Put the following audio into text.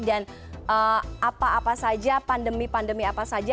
dan apa apa saja pandemi pandemi apa saja